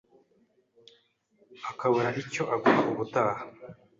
akabura icyo aguha ubutaha